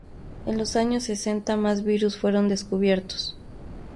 En los años sesenta más virus fueron descubiertos.